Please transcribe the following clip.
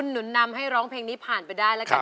หนุนนำให้ร้องเพลงนี้ผ่านไปได้แล้วกัน